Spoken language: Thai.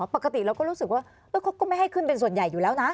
ปกติเราก็รู้สึกว่าเขาก็ไม่ให้ขึ้นเป็นส่วนใหญ่อยู่แล้วนะ